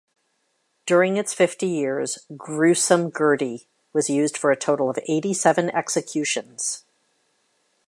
During its fifty years, "Gruesome Gertie" was used for a total of eighty-seven executions.